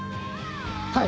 はい！